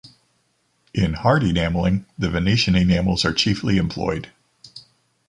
In hard enameling, the Venetian enamels are chiefly employed.